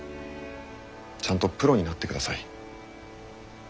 ちゃんとプロになってください。